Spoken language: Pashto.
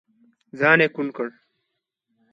ځان يې کوڼ کړ.